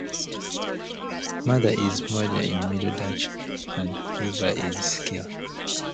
Mother is moeder in Middle Dutch, and river is Kille.